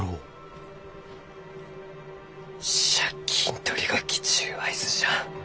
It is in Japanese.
借金取りが来ちゅう合図じゃ。